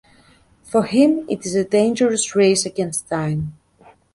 For him it is a dangerous race against time.